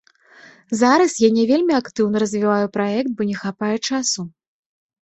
Зараз я не вельмі актыўна развіваю праект, бо не хапае часу.